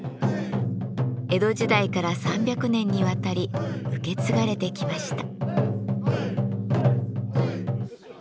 江戸時代から３００年にわたり受け継がれてきました。